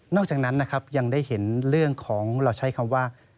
นอกจากนั้นยังได้เห็นเรื่องของเราใช้คำว่า